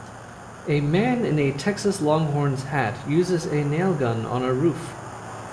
A man in a Texas Longhorns hat, uses a nail gun on a roof.